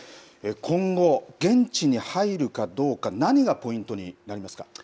今後、現地に入るかどうか何がポイントになりますか。